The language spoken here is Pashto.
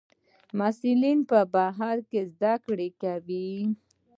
محصلین په بهر کې زده کړې کوي.